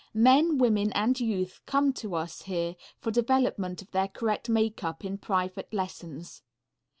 Men, women, and youth come to us here for development of their correct makeup in private lessons.